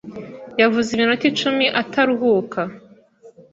Yavuze iminota icumi ataruhuka.